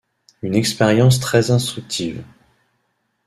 Une expérience très instructive.